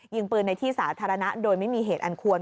ยิงปืนในที่สาธารณะโดยไม่มีเหตุอันควร